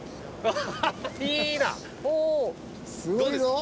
すごいぞ！